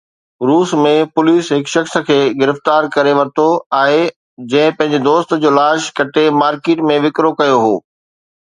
روس ۾ پوليس هڪ شخص کي گرفتار ڪري ورتو آهي جنهن پنهنجي دوست جو لاش ڪٽي مارڪيٽ ۾ وڪرو ڪيو هو